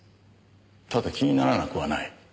ただ気にならなくはない。